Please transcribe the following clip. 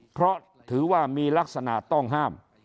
เพราะถือว่ามีลักษณะต้องห้าม